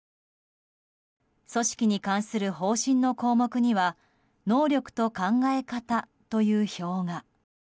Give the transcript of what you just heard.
組織に関する方針の項目には能力と考え方という表が。